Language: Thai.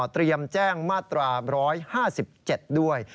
เตรียมแจ้งมาตรา๑๕๗ด้วย